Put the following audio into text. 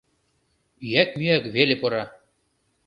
Ӱяк-мӱяк веле пура.